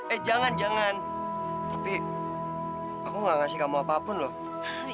eh jangan jangan tapi aku gak ngasih kamu apapun loh